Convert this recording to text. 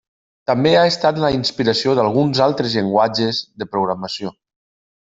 També ha estat la inspiració d'alguns altres llenguatges de programació.